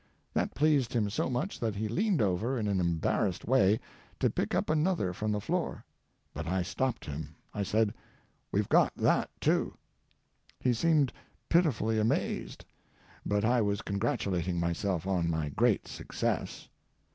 That pleased him so much that he leaned over, in an embarrassed way, to pick up another from the floor. But I stopped him. I said, "We've got that, too." He seemed pitifully amazed, but I was congratulating myself on my great success.